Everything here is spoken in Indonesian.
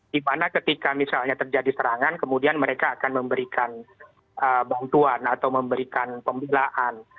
di mana ketika misalnya terjadi serangan kemudian mereka akan memberikan bantuan atau memberikan pembelaan